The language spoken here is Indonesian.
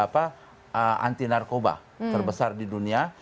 bahwa antinarkoba terbesar di dunia